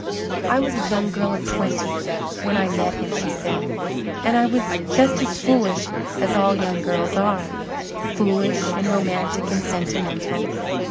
"I was a young girl of twenty when I met him," she said, "and I was just as foolish as all young girls are foolish and romantic and sentimental.